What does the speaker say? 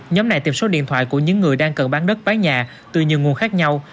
nhóm này tìm số điện thoại của những người đang cần bán đất bán nhà từ nhiều nguồn khác nhau